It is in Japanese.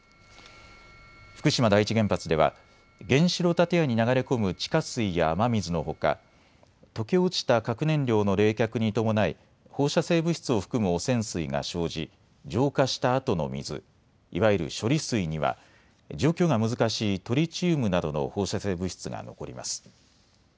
福島第一原発では原子炉建屋に流れ込む地下水や雨水のほか溶け落ちた核燃料の冷却に伴い放射性物質を含む汚染水が生じ浄化したあとの水、いわゆる処理水には除去が難しいトリチウムなどの放射性物質が残ります。